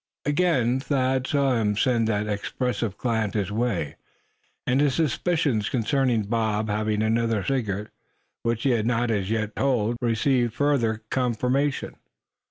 Again Thad saw him send that expressive glance his way; and his suspicions concerning Bob having another secret which he had not as yet told, received further confirmation.